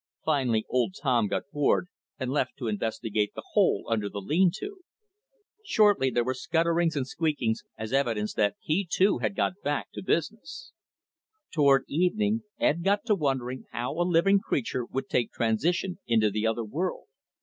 Finally old Tom grew bored and left to investigate the hole under the lean to. Shortly there were scutterings and squeakings as evidence that he, too, had got back to business. Toward evening, Ed got to wondering how a living creature would take transition into the other world.